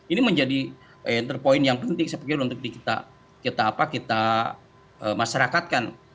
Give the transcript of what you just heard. ini menjadi poin yang penting untuk kita masyarakatkan